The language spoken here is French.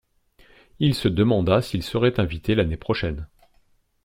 Il se demanda s’il serait invité l’année prochaine.